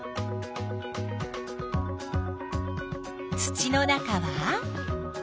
土の中は？